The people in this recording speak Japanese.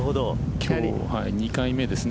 今日は２回目ですね